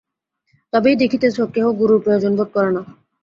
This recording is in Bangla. তবেই দেখিতেছ, কেহ গুরুর প্রয়োজন বোধ করে না।